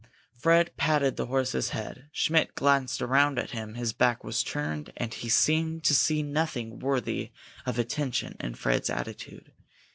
Fred patted the horse's head. Schmidt glanced around at him. His back was turned, and he seemed to see nothing worthy of attention in Fred's attitude.